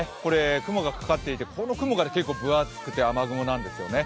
雲がかかっていて、この雲が結構分厚くて雨雲なんですよね。